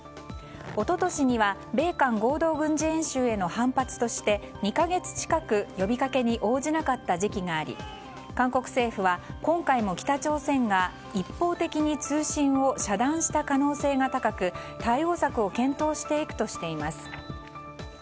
一昨年には米韓合同軍事演習への反発として２か月近く、呼びかけに応じなかった時期があり韓国政府は今回も北朝鮮が一方的に通信を遮断した可能性が高く対応策を検討していくとしています。